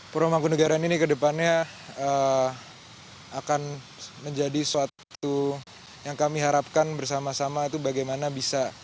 purwomangkunegaraan ini ke depannya akan menjadi suatu yang kami harapkan bersama sama itu bagaimana bisa